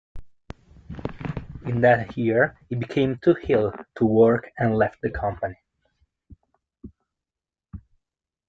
In that year he became too ill to work and left the company.